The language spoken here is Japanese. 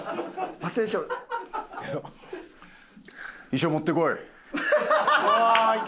衣装持ってこい！